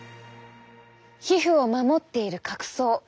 皮膚を守っている角層。